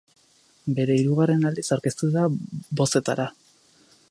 Bera hirugarren aldiz aurkeztu da bozetara.